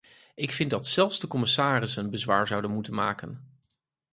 Ik vind dat zelfs de commissarissen bezwaar zouden moeten maken.